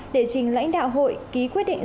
để trình lãnh đạo hội ký quyết định